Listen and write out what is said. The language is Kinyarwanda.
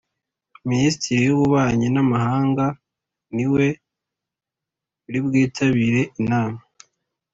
Minisitiri w’ububanyi n’amahanga niwe uribwitabire inama